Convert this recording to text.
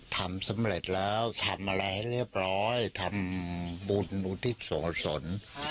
ทำสำเร็จแล้วทำอะไรให้เรียบร้อยทำบุญอุทิศโศกสล